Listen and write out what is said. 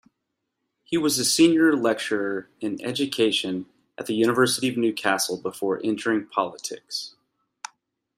He was Senior Lecturer in Education at the University of Newcastle before entering politics.